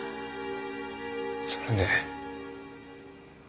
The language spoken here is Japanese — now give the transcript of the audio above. それで？